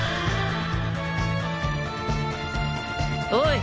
おい。